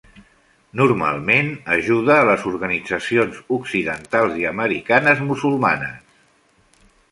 Normalment ajuda a les organitzacions occidentals i americanes-musulmanes.